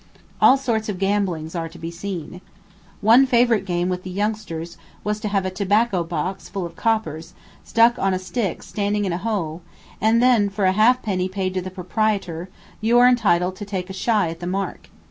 All sorts of gambling are to be seen. One favorite game with the youngsters was to have a tobacco box, full of coppers, stuck on a stick standing in a hole, and then, for a halfpenny paid to the proprietor, you are entitled to take a shy at the mark.